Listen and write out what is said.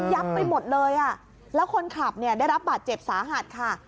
ไปหมดเลยอ่ะแล้วคนขับเนี่ยได้รับบาดเจ็บสาหัสค่ะ